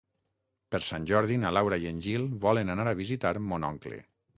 Per Sant Jordi na Laura i en Gil volen anar a visitar mon oncle.